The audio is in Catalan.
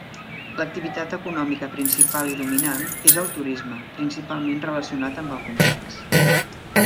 L'activitat econòmica principal i dominant és el turisme, principalment relacionat amb el complex.